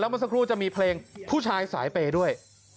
เมื่อสักครู่จะมีเพลงผู้ชายสายเปย์ด้วย